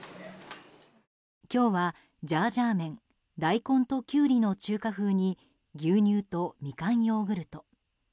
今日はジャージャー麺大根とキュウリの中華風に牛乳とミカンヨーグルト。